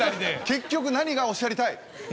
結局何がおっしゃりたい？